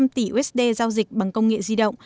hai sáu trăm linh tỷ usd giao dịch bằng công nghệ di động